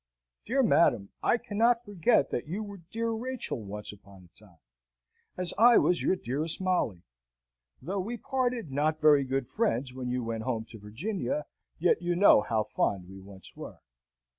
"Dear madam! I cannot forget that you were dear Rachel once upon a time, as I was your dearest Molly. Though we parted not very good friends when you went home to Virginia, yet you know how fond we once were.